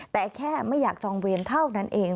แต่แค่ไม่อยากจองเวรเท่านั้นเอง